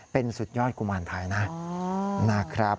เป็นสุดยอดกุมารไทยนะครับ